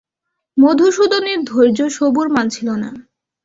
মধুসূদনের ধৈর্য সবুর মানছিল না।